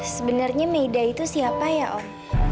sebenarnya meda itu siapa ya om